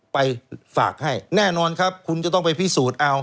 ไปฝากให้แน่นอนครับคุณจะต้องไปพิสูจน์เอา